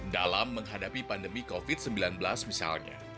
dalam menghadapi pandemi covid sembilan belas misalnya